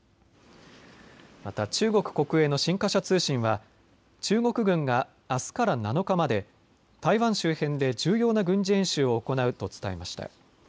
また中国国営の新華社通信は中国軍があすから７日まで台湾周辺で重要な軍事演習を行うと伝えました。